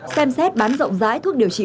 xem xét bán rộng rãi thuốc điều trị